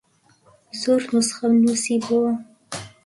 زۆر نوسخەم نووسیبۆوە